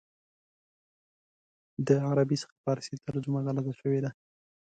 د عربي څخه فارسي ترجمه غلطه شوې ده.